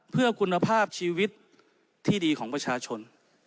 เพื่อคุณภาพชีวิตที่ดีของประชาชน